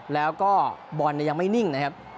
แล้วก็บอลยังไม่นิ่งนะครับ